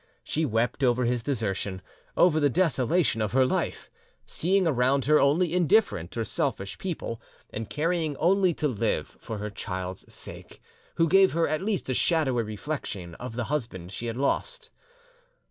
She wept over his desertion; over the desolation of her life, seeing around her only indifferent or selfish people, and caring only to live for her child's sake, who gave her at least a shadowy reflection of the husband she had lost.